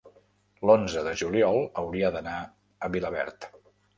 l'onze de juliol hauria d'anar a Vilaverd.